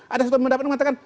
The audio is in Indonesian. ada yang mendapatkan mengatakan